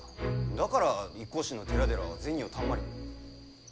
だから一向宗の寺々は銭をたんまり。